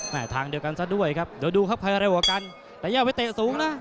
ทางเดียวกันซะด้วยครับเดี๋ยวดูครับใครเร็วกว่ากันแต่ย่าไปเตะสูงนะ